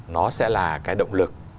nó sẽ là cái động lực